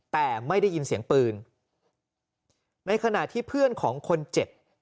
แต่ไม่ได้ยินเสียงปืนในขณะที่เพื่อนของคนเจ็บ